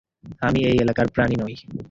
আমি এই এলাকার প্রাণী নই।